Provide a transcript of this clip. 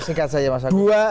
singkat saja mas